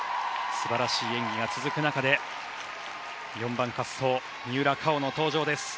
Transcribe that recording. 素晴らしい演技が続く中で４番滑走、三浦佳生の登場。